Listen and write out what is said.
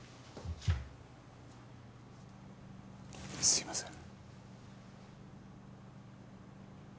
すいません。